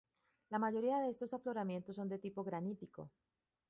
La mayoría de estos afloramientos son de tipo granítico.